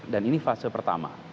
dan ini fase pertama